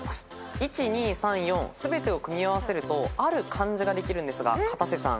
１２３４全てを組み合わせるとある漢字ができるんですがかたせさん。